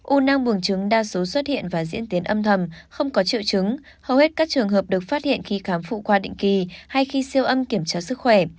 u năng buồng trứng đa số xuất hiện và diễn tiến âm thầm không có triệu trứng hầu hết các trường hợp được phát hiện khi khám phụ qua định kỳ hay khi siêu âm kiểm tra sức khỏe